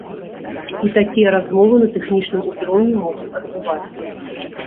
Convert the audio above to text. І такія размовы на тэхнічным узроўні могуць адбывацца.